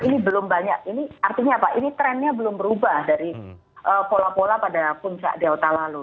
ini belum banyak ini artinya apa ini trennya belum berubah dari pola pola pada puncak delta lalu